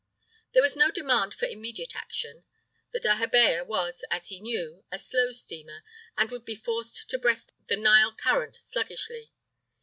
There was no demand for immediate action. The dahabeah was, as he knew, a slow steamer, and would be forced to breast the Nile current sluggishly.